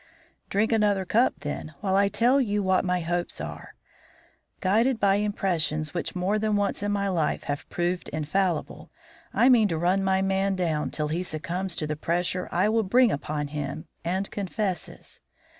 "Drink another cup, then, while I tell you what my hopes are. Guided by impressions which more than once in my life have proved infallible, I mean to run my man down till he succumbs to the pressure I will bring upon him, and confesses.